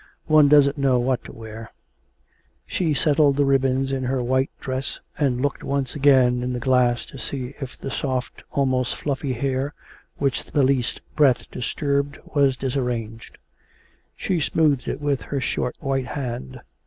One doesn't know what to wear.' She settled the ribbons in her white dress, and looked once again in the glass to see if the soft, almost fluffy, hair, which the least breath disturbed was disarranged. She smoothed it with her short white hand.